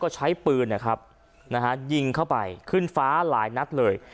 ก็ใช้ปืนนะครับยิงเข้าไปขึ้นฟ้าหลายนัดเลย